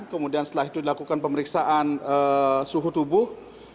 kemudian setelah itu dilakukan pemeriksaan suhu tubuh